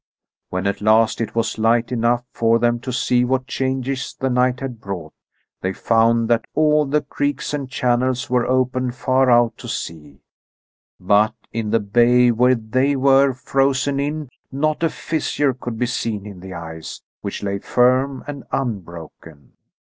When at last it was light enough for them to see what changes the night had brought, they found that all the creeks and channels were open far out to sea, but in the bay where they were frozen in not a fissure could be seen in the ice, which lay firm and unbroken.